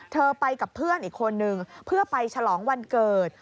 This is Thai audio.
เธอไปกับเพื่อนอีกคนนึงเพื่อไปฉลองวันเกิด